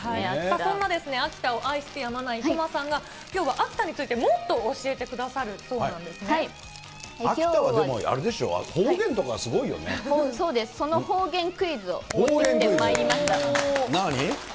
そんな、秋田を愛してやまない生駒さんが、きょうは秋田についてもっと教えてくださるそうな秋田は、でもあれでしょ、そうです、その方言クイズを持ってまいりました。